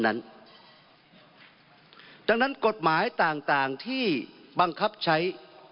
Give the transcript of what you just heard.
ดังนั้นกฎหมายต่างที่บังคับใช้